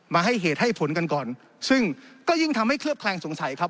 ให้เหตุให้ผลกันก่อนซึ่งก็ยิ่งทำให้เคลือบแคลงสงสัยครับ